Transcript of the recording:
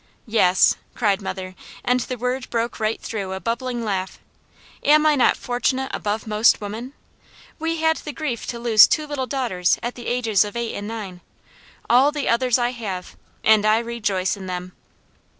"Yes!" cried mother, and the word broke right through a bubbling laugh. "Am I not fortunate above most women? We had the grief to lose two little daughters at the ages of eight and nine, all the others I have, and I rejoice in them."